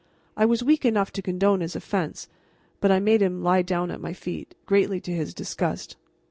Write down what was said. I was weak enough to condone his offense, but I made him lie down at my feet, greatly to his disgust.